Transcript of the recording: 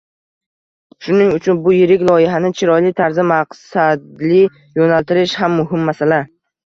Shuning uchun bu yirik loyihani chiroyli tarzda maqsadli yoʻnaltirish ham muhim masala.